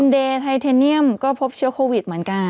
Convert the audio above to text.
เดย์ไทเทเนียมก็พบเชื้อโควิดเหมือนกัน